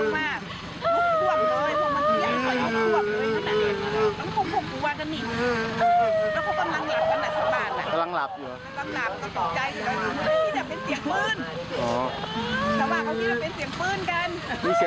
มีเสียงระเบิดดังเปี้๊ะ